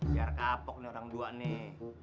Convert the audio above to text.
biar kapok nih orang tua nih